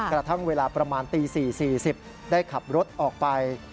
กระทั่งเวลาประมาณตี๔๔๐ได้ขับรถออกไป